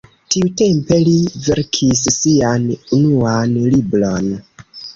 Tiutempe li verkis sian unuan libron.